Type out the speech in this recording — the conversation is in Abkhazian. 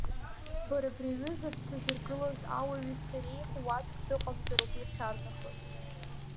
Бара абри аҩыза бҭазыргылаз ауаҩи сареи ҳуаӡәк дыҟамзароуп иахьарнахыс.